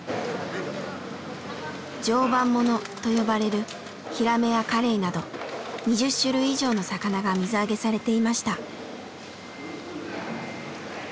「常磐もの」と呼ばれるヒラメやカレイなど２０種類以上の魚が水揚げされていました。